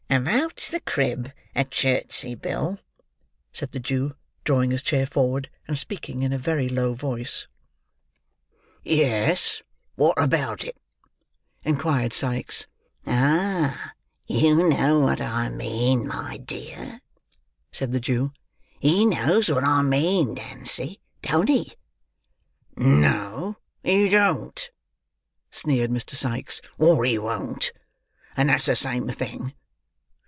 "About the crib at Chertsey, Bill?" said the Jew, drawing his chair forward, and speaking in a very low voice. "Yes. Wot about it?" inquired Sikes. "Ah! you know what I mean, my dear," said the Jew. "He knows what I mean, Nancy; don't he?" "No, he don't," sneered Mr. Sikes. "Or he won't, and that's the same thing.